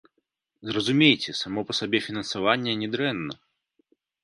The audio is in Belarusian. Зразумейце, само па сабе фінансаванне не дрэнна.